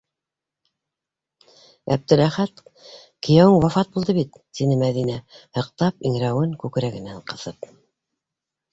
«Әптеләхәт, кейәүең, вафат булды бит!» - тине Мәҙинә, һыҡтап иңрәүен күкрәгенә ҡыҫып.